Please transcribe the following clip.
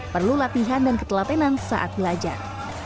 perlu latihan dan ketelatenan saat belajar